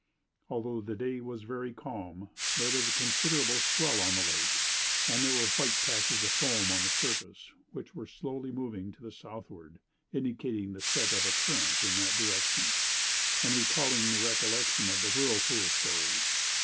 Although the day was very calm, there was a considerable swell on the lake; and there were white patches of foam on the surface, which were slowly moving to the southward, indicating the set of a current in that direction, and recalling the recollection of the whirlpool stories.